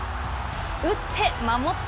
打って守って！